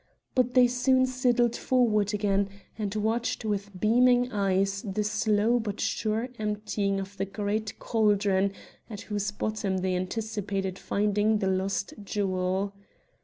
But they soon sidled forward again, and watched with beaming eyes the slow but sure emptying of the great caldron at whose bottom they anticipated finding the lost jewel.